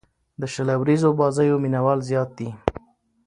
د شل اووريزو بازيو مینه وال زیات دي.